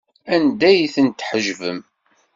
Anda ay ten-tḥejbem?